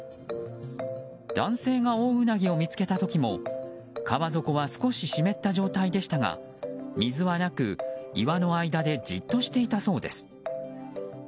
男性がオオウナギを見つけた時も川底は少し湿った状態でしたが水はなく岩の間でじっとしていたそうです。